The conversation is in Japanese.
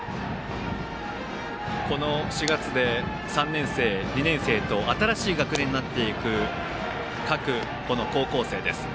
この４月で３年生、２年生と新しい学年になっていく各高校生です。